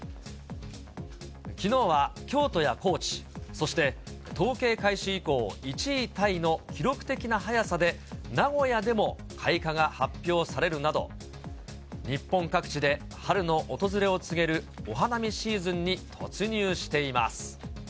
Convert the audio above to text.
きのうは京都や高知、そして統計開始以降１位タイの記録的な早さで、名古屋でも開花が発表されるなど、日本各地で春の訪れを告げるお花見シーズンに突入しています。